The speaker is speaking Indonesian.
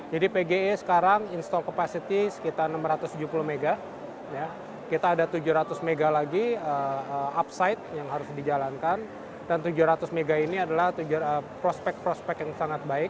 jadi pge sekarang install kapasitas sekitar enam ratus tujuh puluh mw kita ada tujuh ratus mw lagi upside yang harus dijalankan dan tujuh ratus mw ini adalah prospek prospek yang sangat baik